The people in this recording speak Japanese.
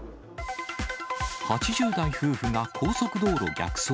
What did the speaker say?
８０代夫婦が高速道路逆走。